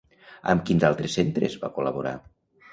Amb quins altres centres va col·laborar?